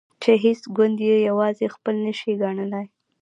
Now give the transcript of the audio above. چې هیڅ ګوند یې یوازې خپل نشي ګڼلای.